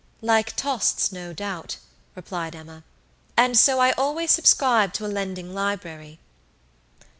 "Like Tostes, no doubt," replied Emma; "and so I always subscribed to a lending library."